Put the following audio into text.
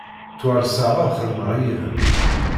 Ttwarseɣ ad xedmeɣ yid-m.